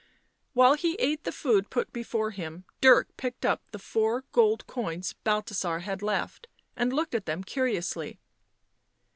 While he ate the food put before him, Dirk picked up the four gold coins Balthasar had left and looked at them curiously.